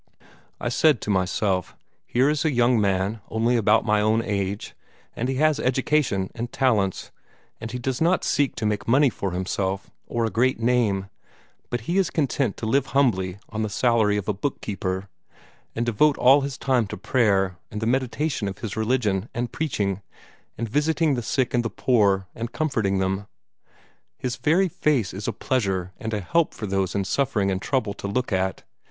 I said to myself: 'Here is a young man, only about my own age, and he has education and talents, and he does not seek to make money for himself, or a great name, but he is content to live humbly on the salary of a book keeper, and devote all his time to prayer and the meditation of his religion, and preaching, and visiting the sick and the poor, and comforting them. His very face is a pleasure and a help for those in suffering and trouble to look at.